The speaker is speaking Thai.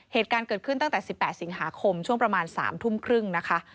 เหตุการณ์เกิดขึ้นตั้งแต่๑๘สิงหาคมช่วงประมาณ๓ทุ่มครึ่งนะคะ